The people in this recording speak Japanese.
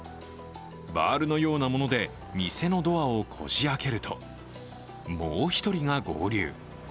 バールのようなもので店のドアをこじ開けると、もう１人が合流。